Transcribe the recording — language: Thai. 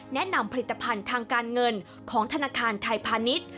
แนะนำผลิตภัณฑ์ทางการเงินของธนาคารไทยพาณิชย์